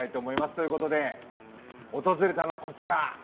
ということで訪れたのはこちら。